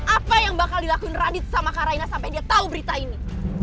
apa yang bakal dilakuin radit sama kak raina sampai dia tau berita ini